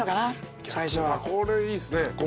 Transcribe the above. これいいっすね。